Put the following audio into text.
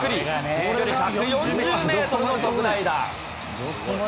飛距離１４０メートルの特大打。